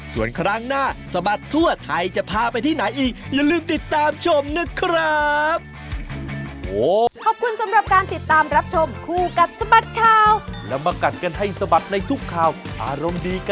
ส่วนครั้งหน้าสบัดทั่วใครจะพาไปที่ไหนอีก